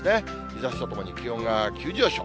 日ざしとともに気温が急上昇。